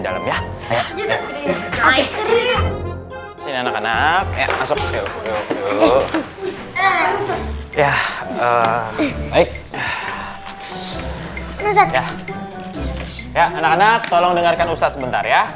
dalam ya hai sini anak anak masuk ya eh baik baik ya anak anak tolong dengarkan ustadz sebentar ya